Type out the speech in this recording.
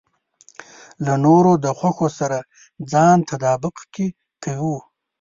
له نورو د خوښو سره ځان تطابق کې کوو.